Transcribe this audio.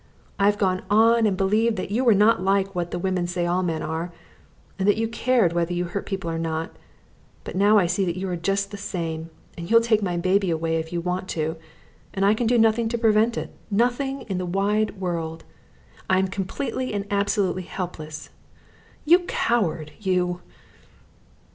I have gone on and believed that you were not like what the women say all men are, and that you cared whether you hurt people or not, but now I see that you are just the same, and you'll take my baby away if you want to and I can do nothing to prevent it nothing in the wide world I am completely and absolutely helpless you coward, you!"